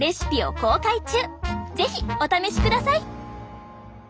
是非お試しください。